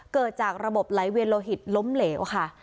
เกิดจากระบบไหลเวียนโลหิตล้มเหลวค่ะ